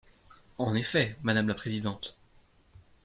En effet, madame la présidente.